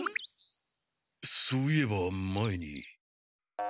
そういえば前に。